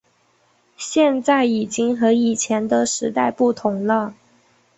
现在已经和以前的时代不同了